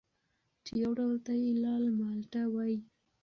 چې یو ډول ته یې لال مالټه وايي